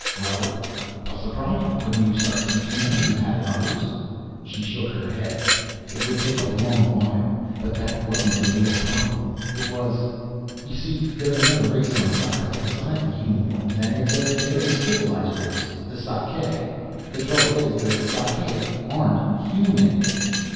"Well, what was the problem? Couldn't you start teaching them as you had others?" She shook her head. "It would take a long while. But that wasn't the real problem. It was You see, there's another race on Sako beside the human ones, and it's a fairly civilized race. The Sakae. The trouble is the Sakae aren't human."